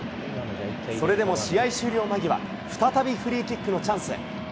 それでも試合終了間際、再びフリーキックのチャンス。